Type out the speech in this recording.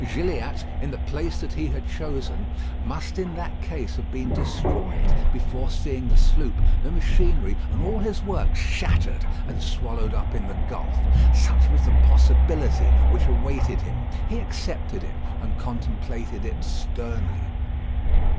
Gilliatt, in the place that he had chosen, must in that case have been destroyed before seeing the sloop, the machinery, and all his work shattered and swallowed up in the gulf. Such was the possibility which awaited him. He accepted it, and contemplated it sternly.